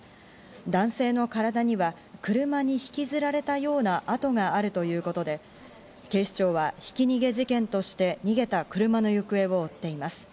男性の体には車に引きずられたような痕があるということで、警視庁はひき逃げ事件として逃げた車の行方を追っています。